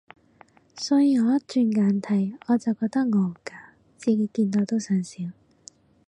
所以我一轉簡體，我就覺得我好假，自己見到都想笑